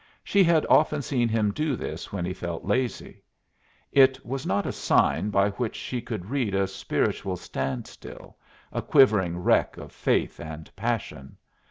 She had often seen him do this when he felt lazy; it was not a sign by which she could read a spiritual standstill, a quivering wreck of faith and passion.